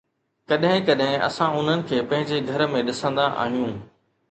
ڪڏهن ڪڏهن اسان انهن کي پنهنجي گهر ۾ ڏسندا آهيون